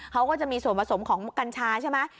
เขาก็จะมีส่วนผสมของกัญชาใช่ไหม